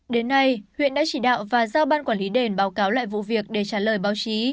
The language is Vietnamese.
đến nay huyện đã chỉ đạo và giao ban quản lý đền báo cáo lại vụ việc để trả lời báo chí